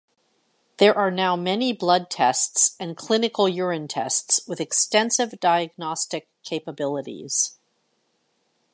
There are now many blood tests and clinical urine tests with extensive diagnostic capabilities.